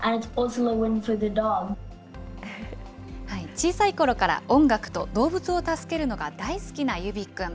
小さいころから音楽と動物を助けるのが大好きなユビ君。